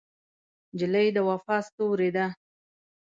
نجلۍ د وفا ستورې ده.